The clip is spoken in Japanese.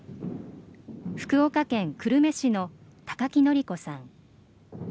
福岡県久留米市の高木典子さん